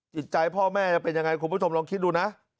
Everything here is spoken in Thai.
จิตใจพ่อแม่จะเป็นยังไงคุณผู้ชมลองคิดดูนะ